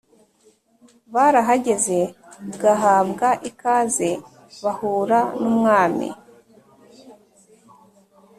barahageze bwahabwa ikaze bahura numwami